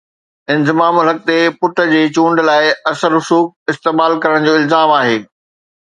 انضمام الحق تي پٽ جي چونڊ لاءِ اثر رسوخ استعمال ڪرڻ جو الزام آهي